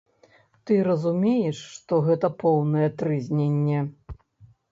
Ты разумееш, што гэта поўнае трызненне.